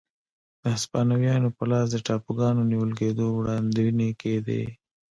د هسپانویانو په لاس د ټاپوګانو نیول کېدو وړاندوېنې کېدې.